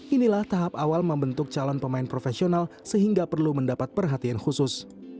inilah tahap awal membentuk calon pemain profesional sehingga perlu mendapat perhatian khusus